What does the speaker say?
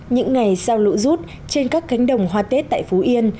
những ngày sau lũ rút trên các cánh đồng hoa tết tại phú yên